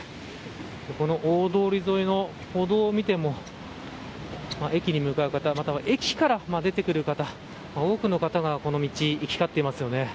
この大通り沿いの歩道を見ても駅に向かう方または駅から出てくる方多くの方がこの道、行き交っています。